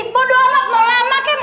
bodo amat mau lama kem